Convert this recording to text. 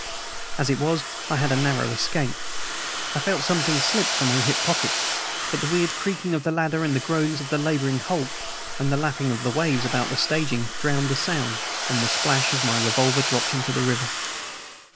As it was I had a narrow escape. I felt something slip from my hip pocket, but the weird creaking of the ladder, the groans of the laboring hulk, and the lapping of the waves about the staging drowned the sound of the splash as my revolver dropped into the river.